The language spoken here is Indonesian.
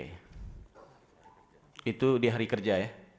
itu di hari kerja ya